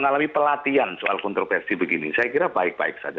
walaupun terpesti begini saya kira baik baik saja